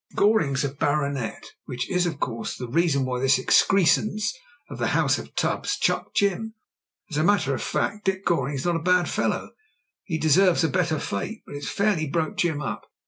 .Goring's a baronet, which is, of course, the reason why this excrescence of the house of Tubbs chucked Jim. As a matter of fact, Dick Goring's not a bad fellow — he deserves a better fate. But it fairly broke Jim up.